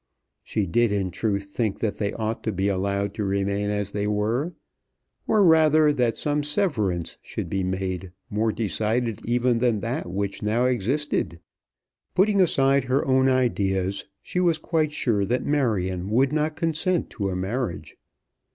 She did in truth think that they ought to be allowed to remain as they were, or rather that some severance should be made more decided even than that which now existed. Putting aside her own ideas, she was quite sure that Marion would not consent to a marriage.